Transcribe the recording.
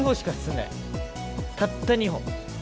たった２歩。